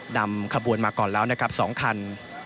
นำขบวนมาก่อนแล้วนะครับ๒คัน